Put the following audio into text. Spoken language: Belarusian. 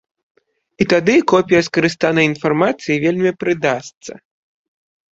І тады копія скарыстанай інфармацыі вельмі прыдасца.